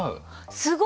すごい。